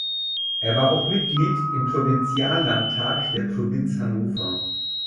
Er war auch Mitglied im Provinziallandtag der Provinz Hannover.